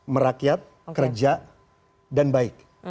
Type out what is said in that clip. merakyat kerja dan baik